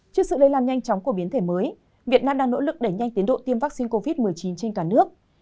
trước sự lây lan nhanh chóng của biến thể mới việt nam đang nỗ lực đẩy nhanh tiến độ tiêm vaccine covid một mươi chín trên cả nước